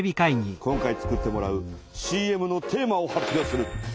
今回作ってもらうＣＭのテーマを発表する。